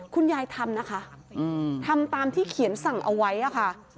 คุณยายทำนะคะทำตามที่เขียนสั่งเอาไว้ค่ะ